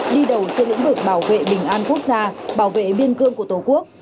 đi đầu trên lĩnh vực bảo vệ bình an quốc gia bảo vệ biên cương của tổ quốc